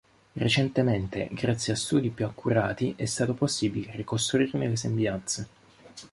Recentemente grazie a studi più accurati è stato possibile ricostruirne le sembianze.